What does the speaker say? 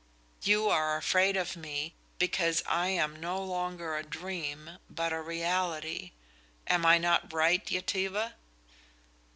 You are afraid of me because I am no longer a dream, but a reality. Am I not right, Yetive?"